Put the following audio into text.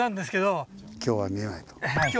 今日は見えないと。